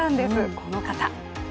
この方。